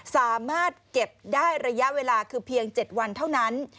สามารถเก็บได้ระยะเวลาคือเพียง๗วันเท่านั้น